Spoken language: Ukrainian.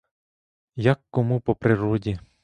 Як кому по природі.